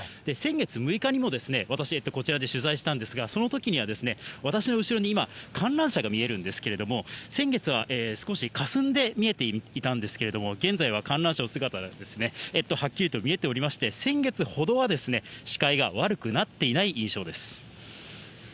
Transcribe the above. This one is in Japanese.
先月６日も私、こちらで取材したんですが、そのときには私の後ろに今、観覧車が見えるんですけれども、先月は少しかすんで見えていたんですけれども、現在は観覧車の姿がはっきりと見えておりまして、先月ほどは視界が悪くなっていない印象です。